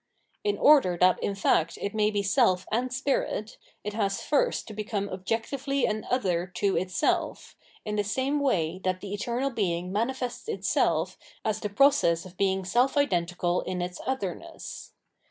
In order that in fact it may be self and Spirit, it has first to become objectively an other to itself, in the same way that the Eternal being manifests itself as the process of being self identical in its otherness.